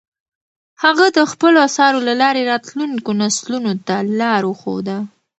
هغه د خپلو اثارو له لارې راتلونکو نسلونو ته لار وښوده.